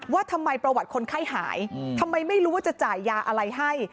ว่าทำไมประวัติคนไข้หายทำไมไม่รู้ว่าจะจ่ายยาอะไรให้